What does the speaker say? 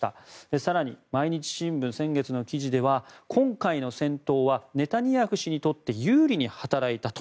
更に、毎日新聞先月の記事では今回の戦闘はネタニヤフ氏にとって有利に働いたと。